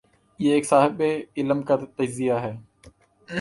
یہ ایک صاحب علم کا تجزیہ ہے۔